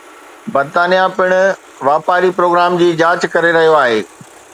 برطانيه پڻ واپاري پروگرام جي جانچ ڪري رهيو آهي